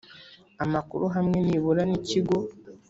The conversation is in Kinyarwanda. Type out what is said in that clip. amakuru hamwe nibura n ikigo